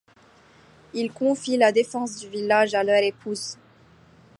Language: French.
Ils confient la défense du village à leurs épouses.